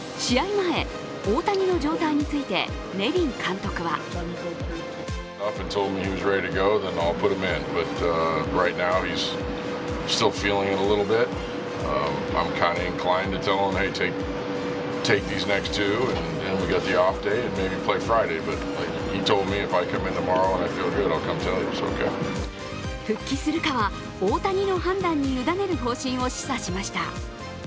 前、大谷の状態についてネビン監督は復帰するかは大谷の判断に委ねる方針を示唆しました。